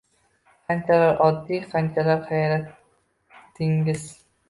Qanchalar oddiy, qanchalar hayratangiz!